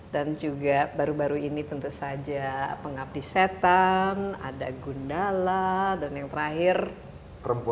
dan juga baru baru ini tentu saja pengabdi setan ada gundala dan yang terakhir perempuan tanah janja